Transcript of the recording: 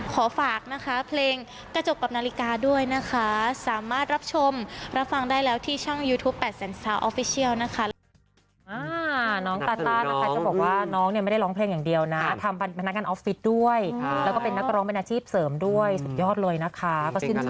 ขอฝากนะคะเพลงกระจกกับนาฬิกาด้วยนะคะสามารถรับชมรับฟังได้แล้วที่ช่องยูทูป๘แสนสาวออฟฟิเชียลนะคะ